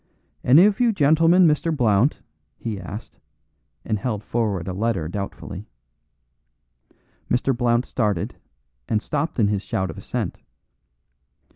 "Any of you gentlemen Mr. Blount?" he asked, and held forward a letter doubtfully. Mr. Blount started, and stopped in his shout of assent.